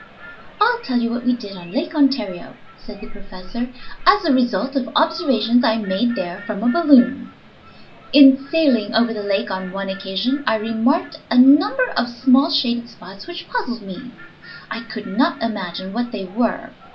"I'll tell you what we did on Lake Ontario," said the professor, "as a result of observations I made there from a balloon. In sailing over the lake on one occasion I remarked a number of small shaded spots which puzzled me. I could not imagine what they were.